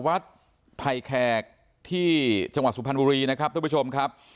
วัดไผ่แขกที่จังหวัดสุพรรณบุรีนะครับทุกผู้ชมครับ